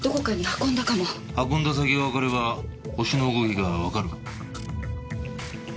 運んだ先がわかればホシの動きがわかる。